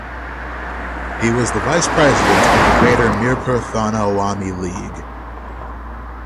He was the vice president of Greater Mirpur Thana Awami League.